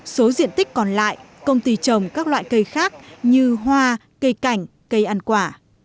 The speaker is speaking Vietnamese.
số diện tích còn lại công ty trồng các loại cây khác như hoa cây cảnh cây ăn quả